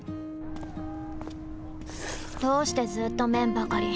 どうしてずーっと麺ばかり！